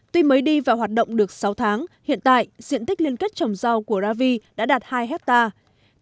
tuy mới đi vào hoạt động được sáu tháng hiện tại diện tích liên kết trồng rau của ravi đã đạt hai hectare